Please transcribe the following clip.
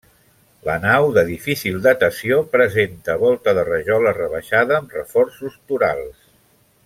La nau, de difícil datació, presenta volta de rajola rebaixada amb reforços torals.